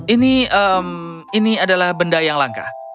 ini hmm ini adalah benda yang langka